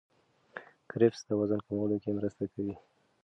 کرفس د وزن کمولو کې مرسته کوي.